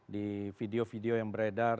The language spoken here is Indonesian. di video video yang beredar